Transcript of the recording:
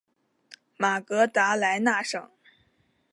马格达莱纳省。